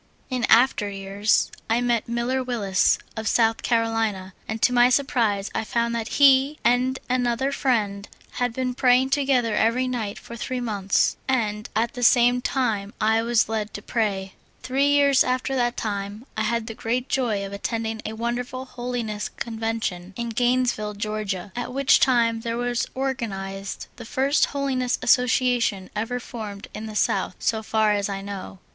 In after 3'ears I met Miller Willis, of South Carolina, and to my surprise I found that he and an other friend had been praying together every night for three months, and at the same time I was led to pray. Io8 vSOUL FOOD. Three 3'ears after that time I had the great joy of attending a wonderful Holiness Convention in Gainesville, Ga., at which time there was organized the first Holiness Association ever formed in the South, vSo far as I know.